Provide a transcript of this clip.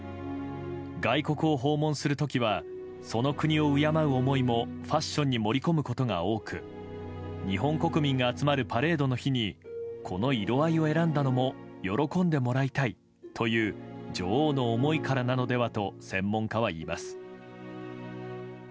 外国を訪問する時はその国を敬う思いもファッションに盛り込むことが多く日本国民が集まるパレードの日にこの色合いを選んだのも喜んでもらいたいという女王の思いからなのではと専門家は言います。